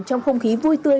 trong không khí vui tươi